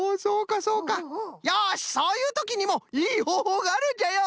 よしそういうときにもいいほうほうがあるんじゃよ！